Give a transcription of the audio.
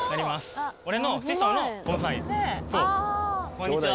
こんにちは。